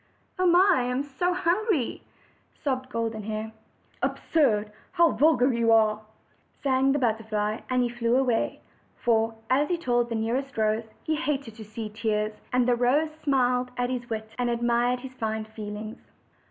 "Oh! I am so hungry!" sobbed Golden Hair. "Absurd! How vulgar you are!" sang the butterfly, and he flew away; for, as he told the nearest rose, he hated to see tears; and the rose smiled at his wit, and admired his fine feelings.